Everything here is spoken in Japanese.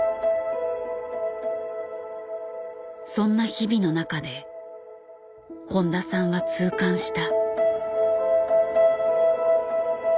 そんな日々の中で誉田さんは痛感した。